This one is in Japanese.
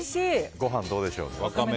ご飯、どうでしょう。